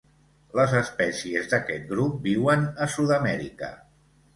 Les espècies d'aquest grup viuen a Sud-amèrica.